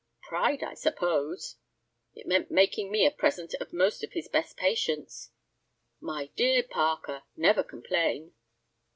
"Pride, I suppose." "It meant making me a present of most of his best patients." "My dear Parker, never complain."